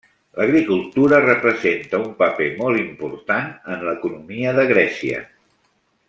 L'agricultura representa un paper molt important en l'economia de Grècia.